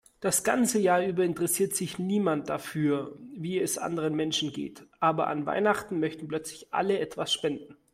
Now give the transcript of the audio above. Das ganze Jahr über interessiert sich niemand dafür, wie es anderen Menschen geht, aber an Weihnachten möchten plötzlich alle etwas spenden.